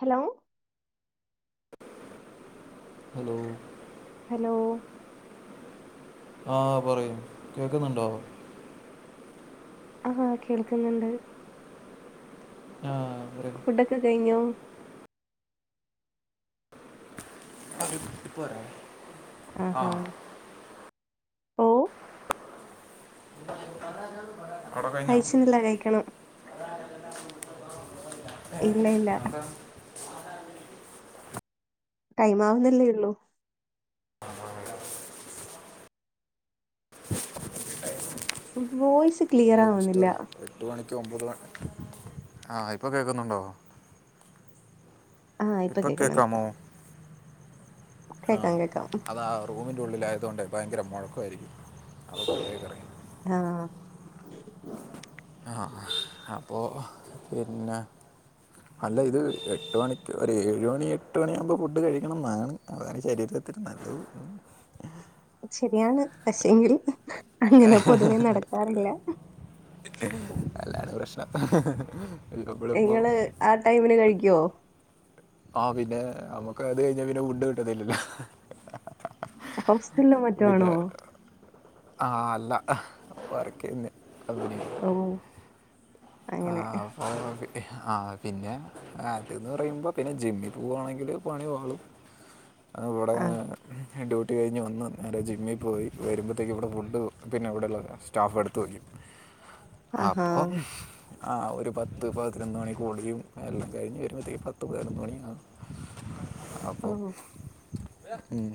Hello hello hello ആ പറയൂ കേക്കുന്നുണ്ടോ ആഹ് കേൾക്കുന്നുണ്ട് ആ പറയും ഫുഡ്ക്കെ കഴിഞ്ഞു പോരാ ആ ആ ഓ [inaudible] കഴിഞ്ഞോ കഴിച്ചുന്നില്ല കഴിക്കണം ഇല്ല ഇല്ല [unintelligible] ടൈം ആവുന്നില്ലേ ഉള്ളൂ വോയിസ്‌ ഹലോ മിസ്റ്റർ എട്ട് മണി ക്ക്ഒമ്പത് മണി ആ ഇപ്പൊ കേൾക്കുന്നുണ്ടോ ആഹഇപ്പൊ ഇപ്പോൾ കേക്കുന്നുണ്ട് കേൾക്കാമോ ആ അത റൂമിന് ൻ്റെ ഉള്ളിലായതുകൊണ്ട് ഭയങ്കര മുഴക്കമാരിക്കും അതൊ പുറത്തേക്കറിങ്ങന്നത് ആ ആ അപ്പോ പിന്നെ അല്ല ഇത് എട്ട് മണി ഒരു ഏഴ മണി എട്ട് മണിയാകുമ്പോൾ ഫുഡ് കഴിക്കണം ന്നാണ് അതാണ് ശരീരത്തി നല്ലത് ശരിയാണ് പക്ഷയെങ്കിൽ അങ്ങനെ പൊതുവേ ഉം. നടക്കാറില്ല അതാണ് പ്രശ്നത്ത നിങ്ങള് ആ ടൈമിന് കഴിക്കുവോ ആ പിന്നെ നമ്മുക്ക് അത് കഴിഞ്ഞ പിന്നെ ഫുഡ് കിട്ടതല്ലല്ലോ ഹോസ്റ്റലോ മറ്റോ ആണോ ആഅല്ല വർക്കന്ന അ ഓ ആ അങ്ങനെ അപ്പൊ ആഹപിന്നെ ആതന്ന്പറയുമ്പോ പിന്നെ ജിമ്മിൽ പോകുവാണെങ്കില് പണി പാളും അത് കവിടെ ആ ഡ്യൂട്ടി കട്ട് കഴിഞ്ഞ് വന്ന് നേരെ ജിമ്മിൽ പോയി വരുമ്പോത്തേക്കും ഇവിട ഫുഡ് പിന്നെ ഇവിടെള്ള സ്റ്റാഫ് എടുത്തു വെക്കും ആഹാ അപ്പോ ആ ഒരു പത്ത് പതിനൊന്ന് മണി കൂടിയയും എല്ലാം കഴിഞ്ഞ് വരുമ്പോഴത്തേക്കും പത്ത് പതിനൊന്ന് മണിയാണ് ആകും [inaudible] ഓ അപ്പോ ഉം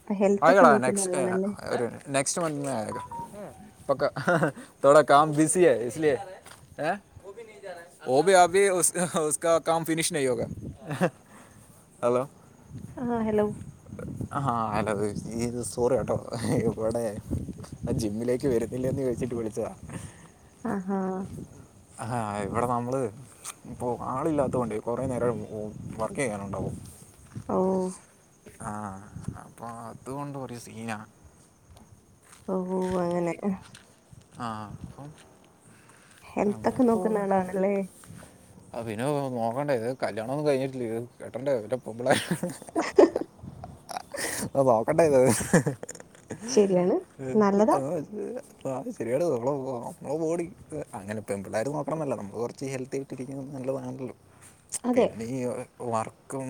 അപ്പൊ ഹെൽത്ത് ഒക്കെ അയ്യോടാ നോക്കുന്ന നെക്സ്റ്റ് എ അ ആളാണല്ലേ ഒരു മിനിറ്റേ നെക്സ്റ്റ് മന്ത് പൊക്കോ അഹ അഹ തോടാ കാം ബിസി ഹെ ഇസ്ലിയേ ഏ വൊ ഭി അഭി ഉസ് ഹാ ഉസ്കാ കാം ഫിനിഷ് നഹി ഹോ ഗയാ ഇഹ് ഹലോ ആ ഹലോ ആഹാ അല്ല അത് ഈ സോറി കേട്ടോ എ ഹേ ഇവടെ ജിമ്മിലേക്ക് വരുന്നില്ലേന്ന് വെച്ചിട്ട് വിളിച്ചതാ ആ ഹാ ആഹ ഇവിടെ നമ്മള് ഇപ്പോ ആളില്ലാത്തോണ്ടേ കൊറെ നേരം ഉം ഉം വർക്കെയ്യാനുണ്ടാവും. ഓ അപ്പോ അതുകൊണ്ട് ഒരു സീനാണ് ഓ അങ്ങനെ ഇഹ് ആ ഹെൽത്തൊക്കെ നോക്കുന്ന ആളാണല്ലേ ആ പിന്നെ നോക്കണ്ടേ ഇത് കല്യാണൊ ന്നും കഴിഞ്ഞിട്ടില്ലത് കേട്ടണ്ടേ ഇവിട പൊമ്പിള്ളേരെ ഹ് ഹ് ഹ് ആ ആ ഹ് നോക്കണ്ടെത് ഇഹ് ശരിയാണ് ഹ് ഹ് നല്ലതാ ഹ് ഹ് ഇഹ് ആഹ് ഹ് അ അത് ശരിയട്ട് ഒള്ള ഒള്ളതാണോ അത് പോടി ഏ അങ്ങനെ പെമ്പിള്ളേര് നോക്കണംന്നല്ല നമുക്ക് കൊറച്ച് ഹെൽത്തി ആയിട്ടിരിക്കുന്നത് നല്ലതാണല്ലോ അതെ പിന്നെ ഈ എ വർക്ക് ക്കും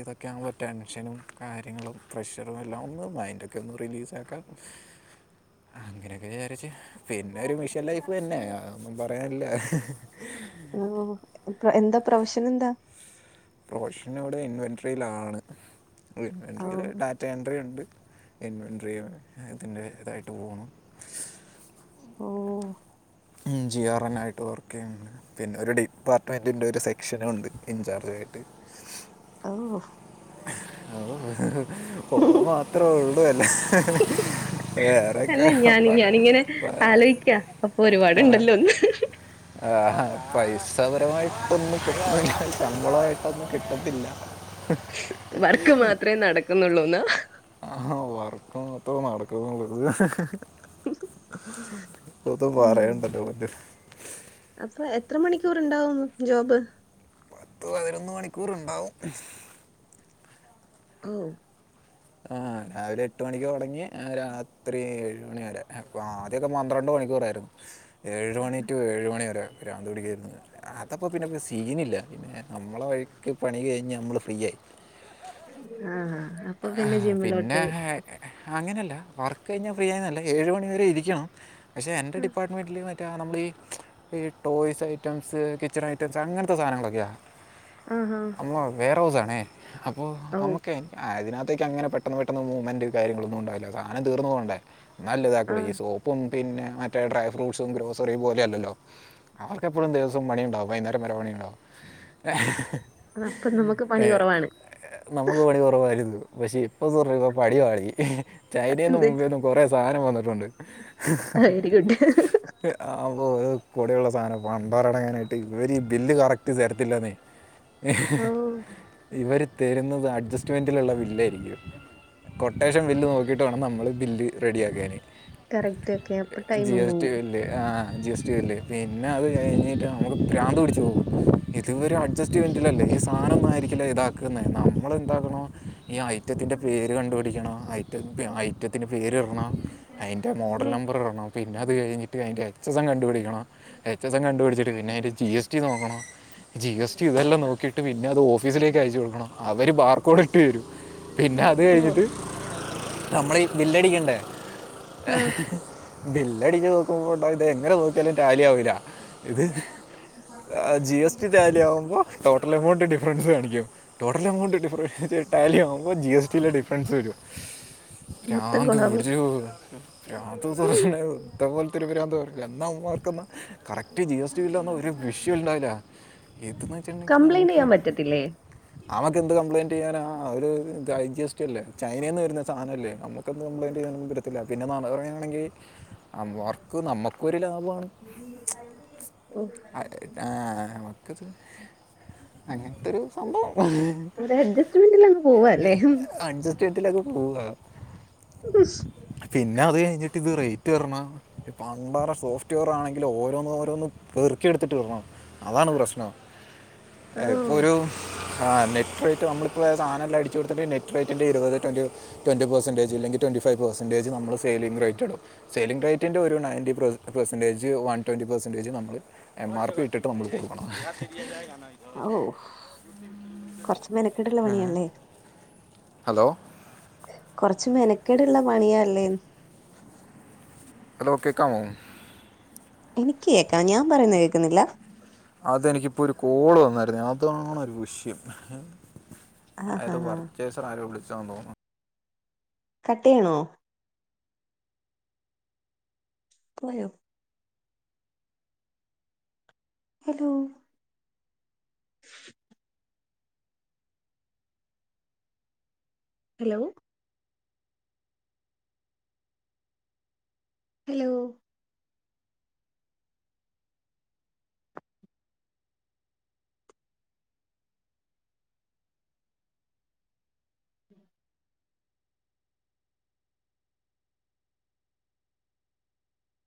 ഇതൊക്കെ ആവുമ്പോ ടെൻഷനും കാര്യങ്ങളും പ്രഷറും എല്ലാം ഒന്ന് മൈൻഡൊക്കെ ഒന്ന് റിലീസ് ക്കെ അങ്ങനൊക്കെ വിചാരിച്ച് പിന്നെ ഒരു മിഷൻ ലൈഫ്ന്നെ ഓ എന്ത എന്താ പ്രൊഫഷനെന്താ പ്രൊഫഷൻ ഇവിടെ ഇൻവെൻട്രിയിലാണ് ഓ ഇൻവെൻട്രിയില് ഡാറ്റ എൻട്രി ഉണ് [unintelligible] അതിന്റെ ഇതായിട്ട് പോണു ഓ ഉം ജി ആർ എൻ ആയിട്ട് വർക്കെ യ്ണ് പിന്നെ ഒരു ഡിപ്പാർട്ട്മെന്റിന്റെ ഒരു സെക്ഷനുണ്ട് ഇൻചാർജായിട്ട് ആണോ പോവാ മാത്രമേ ഉള്ളൂലെ ഹ് ഹ് ഹ് ഹ് അല്ല ഞാൻനി ഞാനിങ്ങനെ ഹ് പ- ആലോചിക്ക അപ്പൊ ആ. ഒരുപാട്ണ്ടല്ലോന്ന് ഹ് ഹ് ഹ് ആ പൈസാപരമായിട്ടൊന്നും കിട്ടത്തില്ല ശമ്പളായിട്ടൊന്നും കിട്ടുന്നില്ല വർക്ക് മാത്രേ നടക്കുന്നുള്ളൂന്നാ ഹ് ആ വർക്ക് മത്രോ നടക്കുന്നുള്ളൂ ഹ് ഹ് ഹ് ഹ് ഒന്നും ഉം പറയണ്ട എന്റെ പൊന്നോ അപ്പൊ എത്ര മണിക്കൂറ് ഇണ്ടാവുന്നു ജോബ് പത്ത് പതിനൊന്ന് മണിക്കൂറുണ്ടാവും ഓ ആ രാവിലെ എട്ട് മണിക്കൊടങ്ങി അ രാത്രി ഏഴ മണി വരെ അപ്പൊ ആദ്യൊക്കെ പന്ത്രണ്ട് മണി മണിക്കൂറായിരുന്നു ഏഴ് മണി ടു ഏഴു മണിവരെ പ്രാന്തു പിടിക്കേരുന്നു അതപ്പോ പിന്നെ മി സീനില്ല പിന്നെ നമ്മളെ വഴിക്ക് പണി കഴിഞ്ഞാ നമ്മള് ഫ്രീ ആയി ആ അപ്പൊ ആ പിന്നെ പിന്നെ ജിമ്മിലോട്ട് ആ അ അങ്ങനെല്ല ല്ല വർക്ക് കഴിഞ്ഞാ ഫ്രീയായിന്നല്ല ഏഴ് മണി വരെ ഇരിക്കണം പക്ഷെ എന്റെ ആ, ഡിപ്പാർട്ട്മെന്റില് വ മറ്റേ നമ്മളി ഈ ഈ ടോയ്സ് ഐറ്റംസ് കിച്ചൺ ഐറ്റംസ് അങ്ങനത്തെ സാധനങ്ങളൊക്കെയാ ആഹാ അമ്മ വേറെ സാണെ അപ്പൊ ഓ നമ്മുക്കോ അതിനകത്തേക് അങ്ങനെ പെട്ടെന്ന് പെട്ട മൂവ്മൻ് കാര്ങ്ങള് ഒന്നും ഉണ്ടാവില്ല സാധം തീർന്ന് പോകണ്ടേ? ആ നല്ലതാക്ക്ണ് സോപ്പും പിന്നെ മറ്റേ ഡ്രൈ ഫ്രൂ്സും ഗ്രോസറും പോലെയ അല്ലോ? അവർക്കെപ്പോളുംദിവസം പണുണ്ടാവും. വൈകുന്നേര പണി അപ്പൊ നമുക്ക് പണി കുറവാണ് നമ്മൾ പണി പക്ഷെ ഇപ്പ [unintelligible] പാളി ചൈനും എന്ത് മുംബൈും കൊറ സാധനം വന്നിട്ടുണ്ട്. വെരി ഗുഡ് ഓ കൂടെയള്ള സാധനം പൺമ്പാറടങ്ങാനായിട്ട് ഇവര് ഈ ബില്ല് കറക്റ്റ് തരത്തില്ലന്നേ. എ ഓ ഇവര് തരുന്നത്. അഡ്ജസ്റ്റ്മെന്റിലുള്ള വില്ല ആയിരിക്കും. കൊട്ടേഷൻ ബില്ല് നോക്കിയിട്ട് വേണം. നമ്മൾ ബില്ല് റെഡിയാക്കിയന്. കറക്റ്റ് ഒക്കെ അപ്പൊ ജി ടൈമും എസ് ടി പോവും ബില് ആഹ ജി എസ് ടി ബില്ല്. പിന്നെ അത് കഴിഞ്ഞിട്ട് നമുക്ക് ഭ്രാന്ത് പിടിിച്ചച്ച് പോകും. ഇത്വ അഡ്ജസ്റ്റ്്മെന്റല്ലേ പാറമാ ആയിരിക്കില്ല ഇതാക്കുന്നത് നമ്മൾെന്താക്കു ഈ ഐറ്റത്തിന്റെ പേര് കണ്ടുപിടിക്കണം. ഐ ഐറ്റത്തിന്റെ പേര് ഇടണം. അതിന്റെ മോഡൽ നമ്പർ ഇടണം. പിന്നെ അത് കഴിഞ്ഞിട്ട് അതിൻ്റെ എച്ച് എസ് എം കണ്ട പിിടിക്കണം. എച്ച് എസ് എം കു പിടിച്ചിട്ടാ പിന്നെ അതിൻ്റെ ജി എസ് ടി നോക്കണം. ജി എസ് ടി ഇതെല്ലാം നോക്കിട്ട് പിന്നെ അത് ഓഫീസിലേക്ക് അയച്ചു കൊടുക്കണം. അവര് കൊടട്ടു വരും പിന്നെ അത് ഓ കഴിഞ്ഞിട്ട് നമ്മള വില്ലടിക്കണ്ടേ? ആഹ് ബ എല്ലടി നോക്കുമ്പോണ്ടോകും ഇത് എങ്ങനെ നോക്കിയാലും ടാലിയ കുല്ല ഇത് ജി എസ് ടി താലി ആവുമ്പോ ടോട്ടൽ എമൗണ്ട് ഡിഫറൻസ് കാണിക്കും. ടോട്ടൽ എമൗണ്ട് ഡിഫറൻ റിട്ടാലി ആവുമ്പോൾ ജി എസ് ടിിെ ഡിഫറൻസ് വരും. മൊത്തം ഭ്രാന്ത് കൊളാവും പിടിചോ ആദ്യത്തെ ദിവസം ഇതേ പോോലത്തെരുാന്ത എന്നാ അവർ മാർക്ക് ന- കറക്റ്റ് ജി എസ് ടി ഇല്ലാന്ന ഒരു വിഷയം ഉണ്ടാവില്ല. എതെന്ന് വെച്ചിട്ടുണ്ടെങ്കിൽ കംപ്ലൈന്റ് നമുക്ക് ചെയ്യാൻ പറ്റത്തില്ലേ ആവക്ക് എന്ത് കംമ്പപ്ലയിൻറ് [unintelligible] [inaudible] ൻ ആ ഒരു ജി എസ് അല്ലേ ചൈനൽന്ന് വരുന്ന സധനംല്ലേ. നമുക്ക കപ്ലയിന്റ് ചെയ്യാല്ല പിന്നെ പറയാണെങ്കിൽ അവർക്കും നമ്മുക്കും ഒരു ലാഭമാണ്. ആ അങ്ങനത്തെരു സംഭവം. ഹ്ഹ് അഡ്ജസ്റ്റ്മെന്റൽങ് പോവല്ലേ? ഉവ് ബശ് പിന്നെ അത് കഴിഞ്ഞിട്ട് ഇത് റേറ്റ് പറഞ ഇ പണ്ടാറെ സോഫ്റ്റ്വെയർ ആണങ്കിൽ ഓരോന്ന് ഓന്ന്പോറുകി പറുക്കിടുക്കും എത്തിണം അതാണ് പ്രശ്നം ഓ ഇപ്പോ ഒരു ആ നെറ്റ് അ നമ്മിപ്പോ സാനലാം അടിച്ച് കൊടുതിട് നെറ്റ് ഇരുത് [unintelligible] പെർസൻറജ അല്ലെിൽ ട്വറി ഫൈവ പെർസൻറജ് നമ്മൾ സെയിലിംഗ് റേറ്റ്ടും. സേിങ് റേറ്റ്റെ ഒരു നയൻറ്റ പെർെൻറേജ് വ വൻറി പെർസൻറേജ് നമ്മൾ എംമാർ, പി. ഇട്ടിട്ട് നമ്മൾ കൊടുക്കണം ഓ കൊറച്ച മനക്കെട്ട്ള്ള പണിയാല്ലേ? ഹലോ കൊറച്ച് മെനക്കേടു ഉള്ള പണിയാല്ലേന്ന്. ഹലോ കേക്കാംമോ എനക്ക് കേക്കാം ഞാൻ പറയുന്ന കേക്കുന്നില്ല. അതെനിക്കിപ്പോ ഒരു കോള് വന്നായിരുന്നു. അതണ് ഒരു വിഷ്യം ആഹാ അയത് പർച്ചേസർ ആര വിളിച്ചോന്ന് തോന്നുന്നു. കട്ട് ചെയ്യണോ യണോ പോയോ? Hello [inaudible] hello? ഹലോ